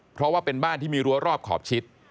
เพราะว่าเป็นบ้านที่มีรั้วรอบขอบชิด